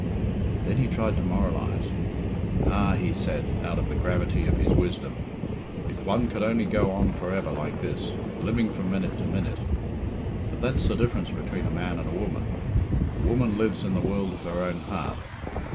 Then he tried to moralise. "Ah!" he said, out of the gravity of his wisdom, "if one could only go on for ever like this, living from minute to minute! But that's the difference between a man and a woman. A woman lives in the world of her own heart.